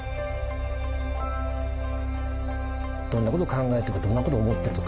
どんなこと考えてるかどんなこと思ってるとか。